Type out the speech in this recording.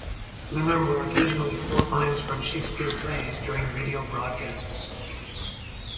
Miller will occasionally quote lines from Shakespeare plays during radio broadcasts.